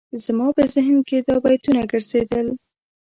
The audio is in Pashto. زما په ذهن کې دا بیتونه ګرځېدل.